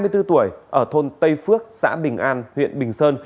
hai mươi bốn tuổi ở thôn tây phước xã bình an huyện bình sơn